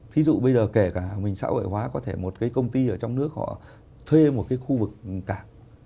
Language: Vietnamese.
thí dụ bây giờ kể cả mình xã hội hóa có thể một cái công ty ở trong nước họ thuê một cái khu vực cảng